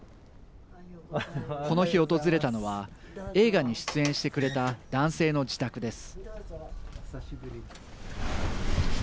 この日訪れたのは映画に出演してくれた男性の自宅です。